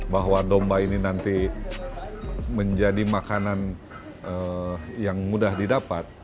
bahwa domba ini nanti menjadi makanan yang mudah didapat